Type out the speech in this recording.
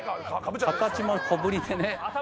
形も小ぶりでね。